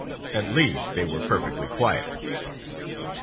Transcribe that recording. At least, they were perfectly quiet.